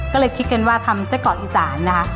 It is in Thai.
ก็เลยคิดกันว่าทำไส้กรอกอีสานนะคะ